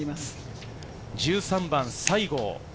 １３番、西郷。